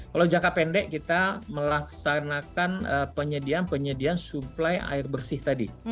kalau jangka pendek kita melaksanakan penyediaan penyediaan suplai air bersih tadi